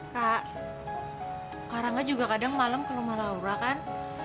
kak karangga juga kadang malam ke rumah laura kan